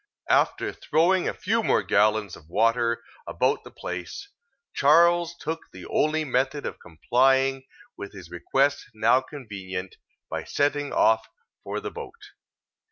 After throwing a few more gallons of water about the place, Charles took the only method of complying with his request now convenient, by setting off for the boat.